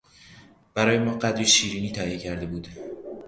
برای ما قدری شیرینی تهیه کرده بود.